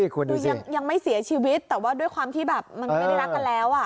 คือยังไม่เสียชีวิตแต่ว่าด้วยความที่แบบมันไม่ได้รักกันแล้ว